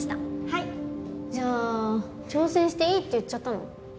はいじゃあ挑戦していいって言っちゃったの？